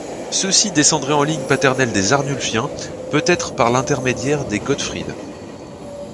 Ceux-ci descendraient en ligne paternelle des Arnulfiens, peut-être par l'intermédiaire de Godefried.